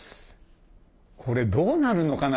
これどうなるのかな？